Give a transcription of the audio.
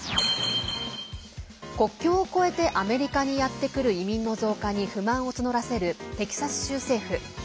国境を越えてアメリカにやってくる移民の増加に不満を募らせるテキサス州政府。